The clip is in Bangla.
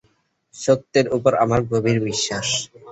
সত্যের উপর আমার গভীর বিশ্বাস।